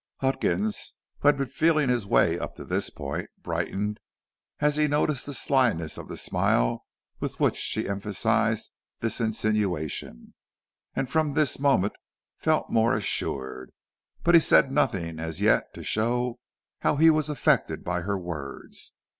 Huckins, who had been feeling his way up to this point, brightened as he noticed the slyness of the smile with which she emphasized this insinuation, and from this moment felt more assured. But he said nothing as yet to show how he was affected by her words.